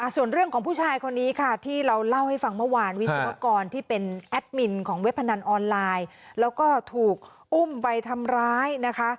ส่วนเรื่องของผู้ชายคนนี้ค่ะที่เราเล่าให้ฟังเมื่อวานวิศวกรที่เป็นแอดมินของเว็บพนันออนไลน์แล้วก็ถูกอุ้มไปทำร้ายนะคะ